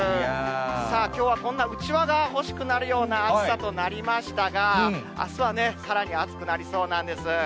さあ、きょうはこんなうちわが欲しくなるような暑さとなりましたが、あすはね、さらに暑くなりそうなんです。